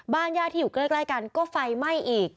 ญาติที่อยู่ใกล้กันก็ไฟไหม้อีก